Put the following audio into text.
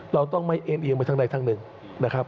เราต้องไม่เอ็นเอียงไปทั้งใดทั้งหนึ่งนะครับ